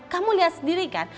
kamu lihat sendiri kan